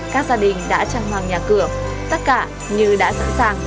các gia đình đã trang hoàng nhà cửa tất cả như đã sẵn sàng